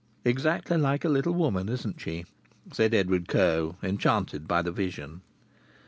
"Exactly like a little woman, isn't she?" said Edward Coe, enchanted by the vision.